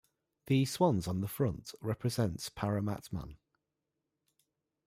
The swans on the front represents Paramatman.